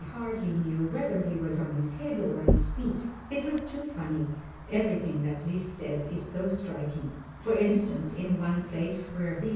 hardly knew whether he was on his head or on his feet. It was too funny. Everything that Liszt says is so striking. For instance, in one place where V.